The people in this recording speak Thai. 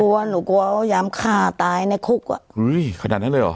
กลัวหนูกลัวว่ายามฆ่าตายในคุกอ่ะเฮ้ยขนาดนั้นเลยเหรอ